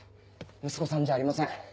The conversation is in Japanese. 息子さんじゃありません。